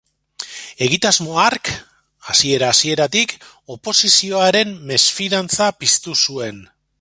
Egitasmo hark, hasiera-hasieratik, oposizioaren mesfidantza piztu zuen.